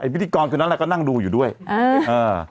พิธีกรคนนั้นแหละก็นั่งดูอยู่ด้วยเออเออ